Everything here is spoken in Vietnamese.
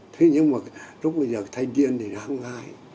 thế nhưng mà lúc bây giờ thay kiên thì đang ngay